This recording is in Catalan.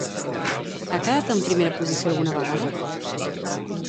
Ha quedat en primera posició alguna vegada?